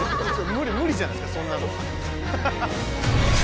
無理じゃないですかそんなの。